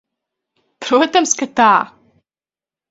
Protams, ka tā.